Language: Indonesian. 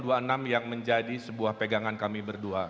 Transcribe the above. ini adalah ali imran dua puluh enam yang menjadi sebuah pegangan kami berdua